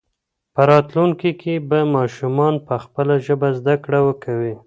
په راتلونکي کې به ماشومان په خپله ژبه زده کړه کوي.